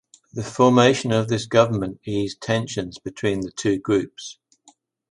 The formation of this government eased tensions between the two groups.